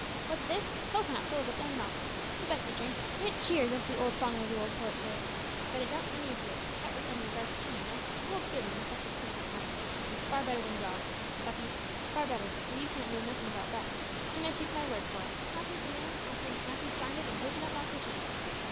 What's this? Cocoanut full of its own milk the best o' drink; `it cheers' as the old song, or the old poet says `but it don't inebriate;' that wos said in regard to tea, you know, but it holds good in respect of cocoanut milk, and it's far better than grog, Cuffy; far better, though you can't know nothin' about that, but you may take my word for it; happy is the man as drinks nothin' stronger than cocoanut milk or tea.